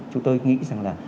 chúng tôi nghĩ rằng là